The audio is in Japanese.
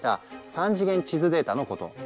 ３次元地図データのこと。